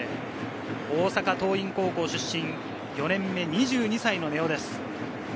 大阪桐蔭高校出身、４年目、２２歳の根尾です。